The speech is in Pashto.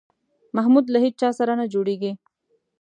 محمود له هېچا سره نه جوړېږي.